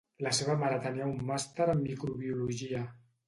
La seva mare tenia un màster en microbiologia.